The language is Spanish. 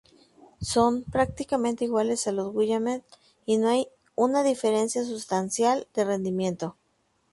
Son, prácticamente, iguales a los Willamette y no hay una diferencia sustancial de rendimiento.